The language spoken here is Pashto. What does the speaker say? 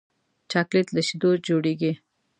چاکلېټ له شیدو جوړېږي.